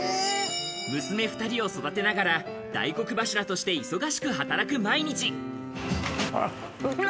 娘２人を育てながら、大黒柱として忙しく働く毎日。